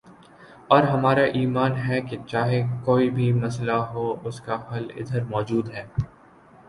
اور ہمارا ایمان ہے کہ چاہے کوئی بھی مسئلہ ہو اسکا حل ادھر موجود ہے